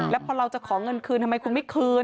แล้วพอเราจะขอเงินคืนทำไมคุณไม่คืน